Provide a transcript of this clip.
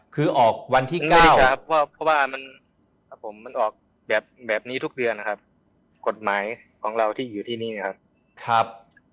เพราะว่ามันออกแบบนี้ทุกเดือนนะครับกฎหมายของเราที่อยู่ที่นี้นะครับ